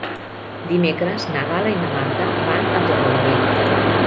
Dimecres na Gal·la i na Marta van a Torrelavit.